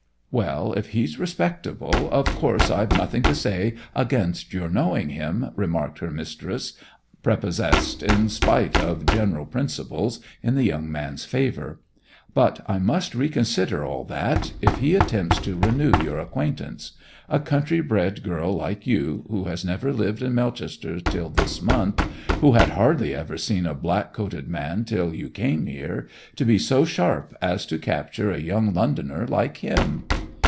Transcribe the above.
'Well, if he's respectable, of course I've nothing to say against your knowing him,' remarked her mistress, prepossessed, in spite of general principles, in the young man's favour. 'But I must reconsider all that, if he attempts to renew your acquaintance. A country bred girl like you, who has never lived in Melchester till this month, who had hardly ever seen a black coated man till you came here, to be so sharp as to capture a young Londoner like him!